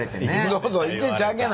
そうそう「いちいち開けな！」